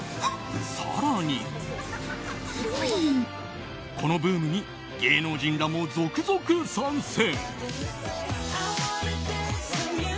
更に、このブームに芸能人らも続々参戦。